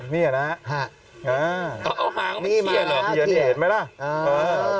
นี่นะฮะเอาหางเขียนเห็นไหมล่ะเขียนเห็นไหมล่ะเออ